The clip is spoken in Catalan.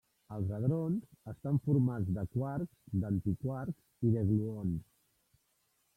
Els hadrons estan formats de quarks, d'antiquarks i de gluons.